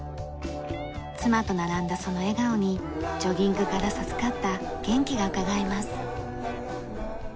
妻と並んだその笑顔にジョギングから授かった元気がうかがえます。